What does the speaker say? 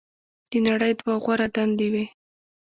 "د نړۍ دوه غوره دندې وې.